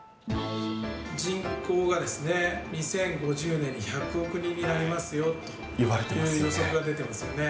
人口が２０５０年に１００億人になりますよという予測が出ていますよね。